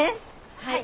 はい。